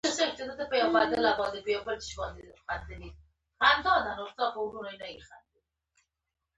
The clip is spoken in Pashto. ولسي سوکالۍ او نړیوالې